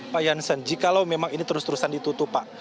pak jansen jikalau memang ini terus terusan ditutup pak